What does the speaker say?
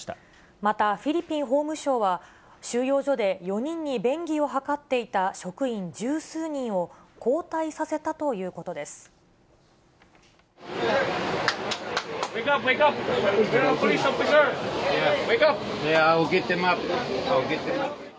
また、フィリピン法務省は、収容所で４人に便宜を図っていた職員十数人を、起きてます。